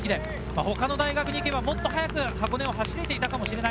他の大学に行けばもっと早く箱根を走れていたかもしれない。